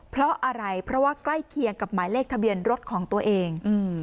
เพราะอะไรเพราะว่าใกล้เคียงกับหมายเลขทะเบียนรถของตัวเอง